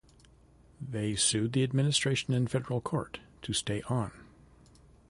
They sued the administration in federal court to stay on.